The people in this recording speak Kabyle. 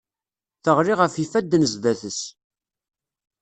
Teɣli ɣef yifadden zzat-s.